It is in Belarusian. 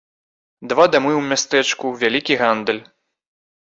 Два дамы ў мястэчку, вялікі гандаль.